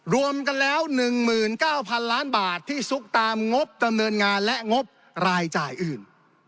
รวมกันแล้ว๑๙๐๐ล้านบาทที่ซุกตามงบดำเนินงานและงบรายจ่ายอื่น